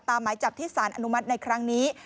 หมายจับที่สารอนุมัติในครั้งนี้